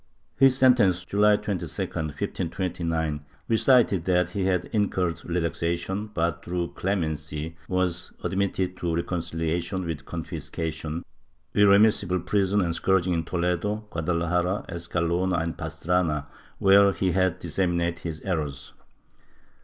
His sentence, July 22, 1529, recited that he had incurred relaxation but through clemency was admitted to reconciliation with confiscation, irremissible prison and scourging in Toledo, Guadalajara, Escalona and Pastrana, where he had disseminated his errors.